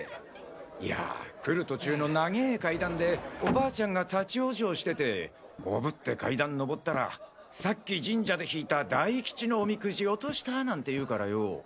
いや来る途中の長え階段でおばちゃんが立ち往生してておぶって階段上ったらさっき神社で引いた大吉のおみくじ落としたなんて言うからよォ。